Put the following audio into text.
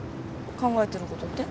考えてることって？